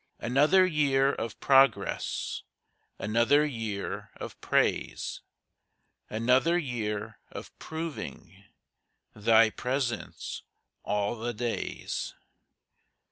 Another year of progress, Another year of praise; Another year of proving Thy presence 'all the days.'